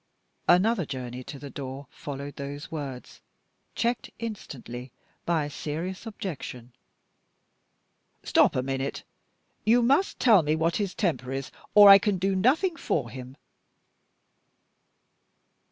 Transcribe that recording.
Another journey to the door followed those words, checked instantly by a serious objection. "Stop a minute! You must tell me what his temper is, or I can do nothing for him."